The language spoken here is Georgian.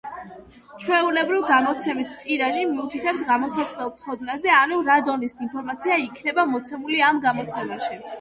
ჩვეულებრივ გამოცემის ტირაჟი მიუთითებს გამოსასვლელ ცოდნაზე, ანუ რა დონის ინფორმაცია იქნება მოცემული ამ გამოცემაში.